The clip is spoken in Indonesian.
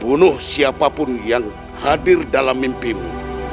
bunuh siapapun yang hadir dalam mimpimu